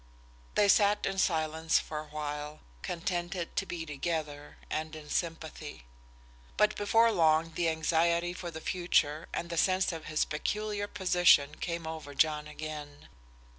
They sat in silence for a while, contented to be together, and in sympathy. But before long the anxiety for the future and the sense of his peculiar position came over John again.